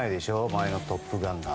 前の「トップガン」が。